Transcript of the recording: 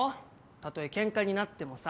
たとえケンカになってもさ。